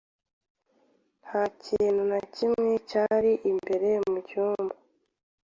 Nta kintu na kimwe cyari imbere mu cyumba.